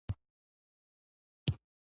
د میرمنو کار د ناروغیو مخنیوي سبب دی.